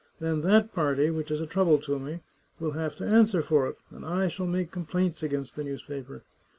Then that party, which is a trouble to me, will have to answer for it, and I shall make complaints against the newspaper.